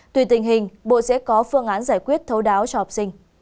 tùy tình hình bộ sẽ có phương án giải quyết thấu đáo cho học sinh